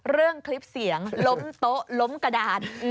เรื่องคลิปเสียงล้มโต๊ะล้มกระดาน